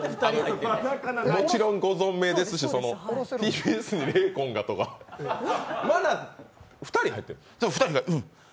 もちろんご存命ですし、ＴＢＳに霊魂がとか、２人入っての？